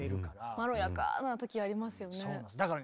まろやかな時ありますよね。